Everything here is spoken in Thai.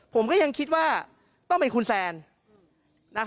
ผมก็ยังคิดว่าต้องเป็นคุณแซน